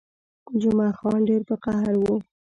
جمعه خان ډېر په قهر وو.